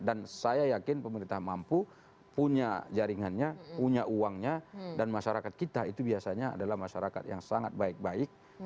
dan saya yakin pemerintah mampu punya jaringannya punya uangnya dan masyarakat kita itu biasanya adalah masyarakat yang sangat baik baik